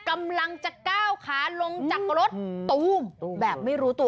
กำลังจะก้าวขาลงจากรถตู้มแบบไม่รู้ตัว